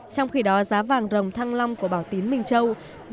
trong khi đó giá vàng rồng thăng long của bảo tín minh châu